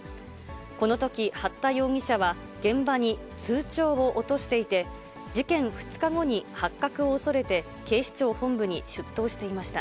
このとき、八田容疑者は現場に通帳を落としていて、事件２日後に発覚を恐れて、警視庁本部に出頭していました。